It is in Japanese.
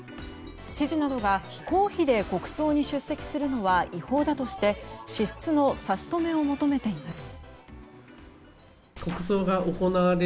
知事などが公費で国葬に出席するのは違法だとして支出の差し止めを求めています。